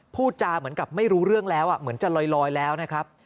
พูดจาเหมือนกับไม่รู้เรื่องแล้วเหมือนจะลอยแล้วนะครับ